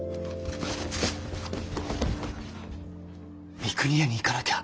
三国屋に行かなきゃ。